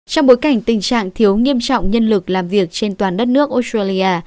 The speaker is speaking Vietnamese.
trong bối cảnh tình trạng thiếu nghiêm trọng nhân lực làm việc trên toàn đất nước australia